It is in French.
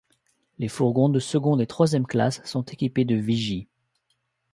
Les fourgons de seconde et troisième classe sont équipés de vigies.